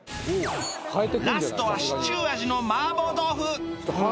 ラストはシチュー味の麻婆豆腐